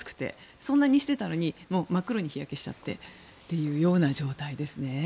そんなにしていたのに真っ黒に日焼けしちゃってという状態ですね。